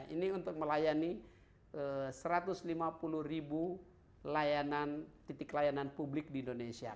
ini untuk melayani satu ratus lima puluh ribu titik layanan publik di indonesia